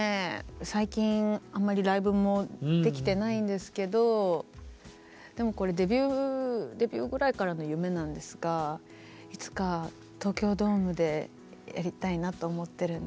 最近あまりライブもできてないんですけどでもこれデビューぐらいからの夢なんですがいつか東京ドームでやりたいなと思ってるんですよ。